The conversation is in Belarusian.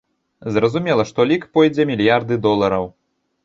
Зразумела, што лік пойдзе мільярды долараў!